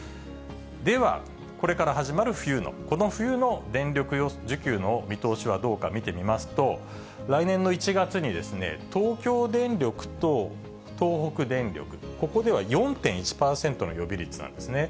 では、これから始まる冬の、この冬の電力需給の見通しはどうか見てみますと、来年の１月に東京電力と東北電力、ここでは４．１％の予備率なんですね。